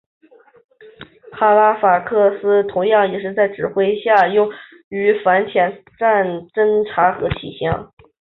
哈利法克斯同样也在的指挥下用于反潜战侦察和气象。